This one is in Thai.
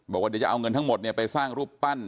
บอกว่าเดี๋ยวจะเอาเงินทั้งหมดไปสร้างรูปปั้น